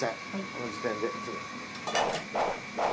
この時点で。